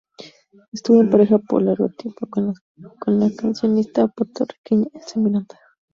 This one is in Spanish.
Estuvo en pareja por largo tiempo con la cancionista puertorriqueña Elsa Miranda.